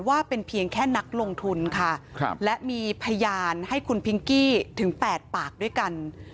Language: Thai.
ว่าเป็นเพียงแค่นักลงทุนค่ะและมีพยานให้คุณพิงกี้ถึง๘ปากด้วยกัน